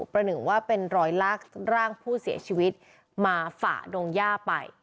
หนึ่งว่าเป็นรอยลากร่างผู้เสียชีวิตมาฝ่าดงย่าไป